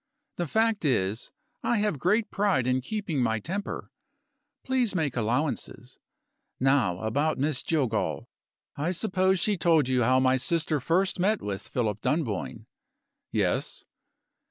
The fact is, I have great pride in keeping my temper. Please make allowances. Now about Miss Jillgall. I suppose she told you how my sister first met with Philip Dunboyne?" "Yes."